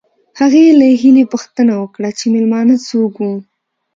هغې له هیلې پوښتنه وکړه چې مېلمانه څوک وو